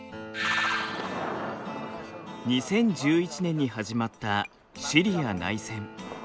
２０１１年に始まったシリア内戦。